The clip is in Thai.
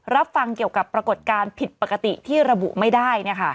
รับฟังเกี่ยวกับปรากฏการณ์ผิดปกติที่ระบุไม่ได้